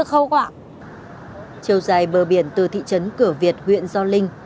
châu dài bờ biển từ thị trấn cửa việt huyện do linh